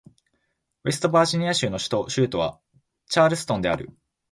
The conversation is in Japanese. ウェストバージニア州の州都はチャールストンである